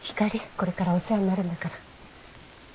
これからお世話になるんだから。